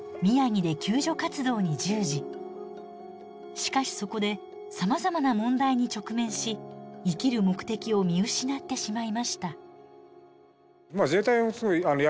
しかしそこでさまざまな問題に直面し生きる目的を見失ってしまいました。